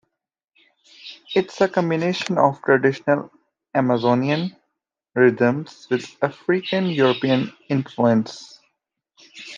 It is a combination of traditional Amazonian rhythms with African and European influence.